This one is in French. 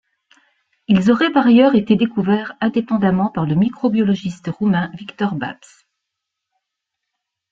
Ils auraient par ailleurs été découverts indépendamment par le microbiologiste roumain Victor Babeș.